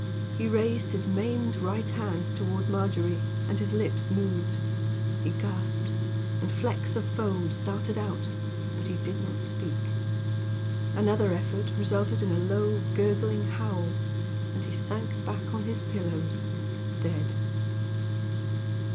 He raised his maimed right hand toward Margery, and his lips moved. He gasped, and flecks of foam started out, but he did not speak. Another effort resulted in a low gurgling howl, and he sank back on his pillows dead.